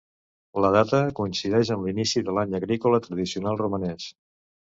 La data coincideix amb l'inici de l'any agrícola tradicional romanès.